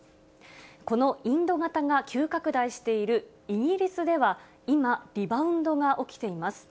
このインド型が急拡大しているイギリスでは、今、リバウンドが起きています。